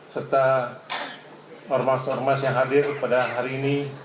serta ormas ormas yang hadir pada hari ini